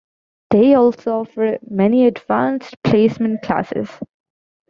They also offer many Advanced Placement classes.